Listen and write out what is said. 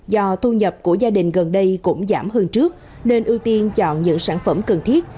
do thu nhập của gia đình gần đây cũng giảm hơn trước nên ưu tiên chọn những sản phẩm cần thiết